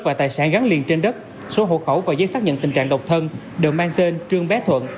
và tài sản gắn liền trên đất số hộ khẩu và giấy xác nhận tình trạng độc thân đều mang tên trương bé thuận